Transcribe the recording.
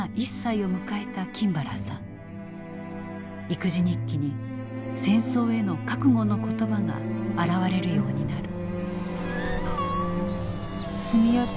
育児日記に戦争への覚悟の言葉が現れるようになる。